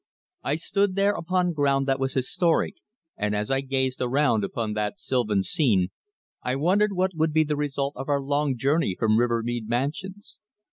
I stood there upon ground that was historic, and as I gazed around upon that sylvan scene, I wondered what would be the result of our long journey from Rivermead Mansions.